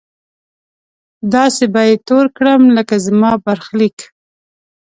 داسې به يې تور کړم لکه زما برخليک